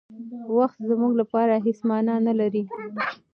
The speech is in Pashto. وخت زموږ لپاره هېڅ مانا نه لري.